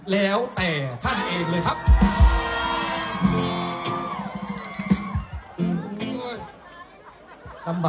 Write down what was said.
แล้วแต่ท่านเองเลยครับ